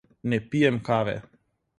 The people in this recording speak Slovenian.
Ne pijem kave.